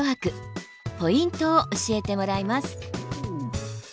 ポイントを教えてもらいます。